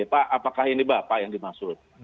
pak apakah ini bapak yang dimaksud